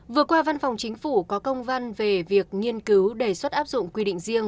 vừa qua văn phòng chính phủ có công văn về việc nghiên cứu đề xuất áp dụng quy định riêng